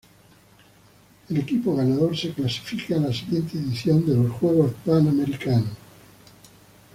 El equipo ganador se clasifica a la siguiente edición de los Juegos Panamericanos.